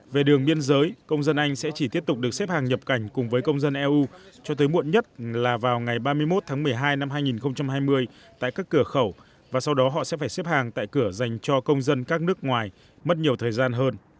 về đường biên giới công dân anh sẽ chỉ tiếp tục được xếp hàng nhập cảnh cùng với công dân eu cho tới muộn nhất là vào ngày ba mươi một tháng một mươi hai năm hai nghìn hai mươi tại các cửa khẩu và sau đó họ sẽ phải xếp hàng tại cửa dành cho công dân các nước ngoài mất nhiều thời gian hơn